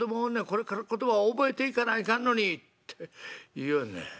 これから言葉覚えていかないかんのに』って言いよんねん。